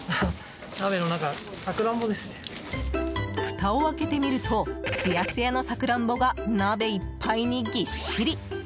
ふたを開けてみるとツヤツヤのサクランボが鍋いっぱいにぎっしり。